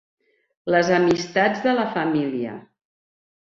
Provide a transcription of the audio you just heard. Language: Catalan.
Les amistats de la família.